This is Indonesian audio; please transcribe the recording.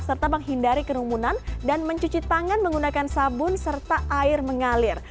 serta menghindari kerumunan dan mencuci tangan menggunakan sabun serta air mengalir